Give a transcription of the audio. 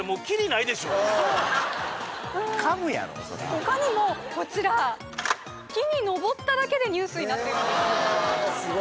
他にもこちら木に登っただけでニュースになってるんですよ